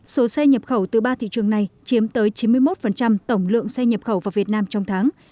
số xe nhập khẩu từ ba thị trường này chiếm tới chín mươi một tổng lượng xe nhập khẩu vào việt nam trong tháng